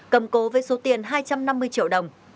cầm cố với số tiền hai trăm năm mươi triệu đồng